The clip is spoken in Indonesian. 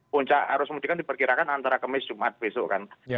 puncak arus mudik kan diperkirakan antara kemis jumat besok kan